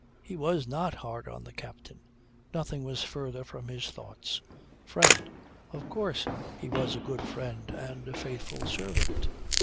He was not hard on the captain. Nothing was further from his thoughts. Friend! Of course he was a good friend and a faithful servant.